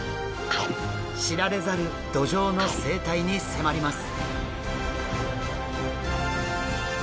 知られざるドジョウの生態に迫ります。